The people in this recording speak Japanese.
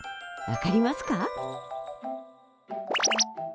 分かりますか？